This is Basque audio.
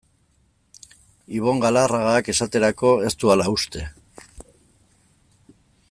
Ibon Galarragak, esaterako, ez du hala uste.